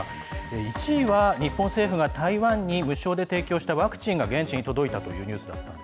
１位は、日本政府が台湾に無償で提供したワクチンが現地に届いたというニュース。